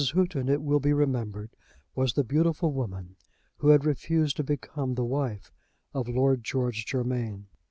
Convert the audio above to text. Houghton, it will be remembered, was the beautiful woman who had refused to become the wife of Lord George Germain.